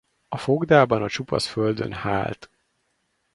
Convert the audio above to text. A fogdában a csupasz földön hált.